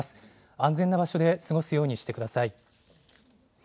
安全な場所で過ごすようにしてください。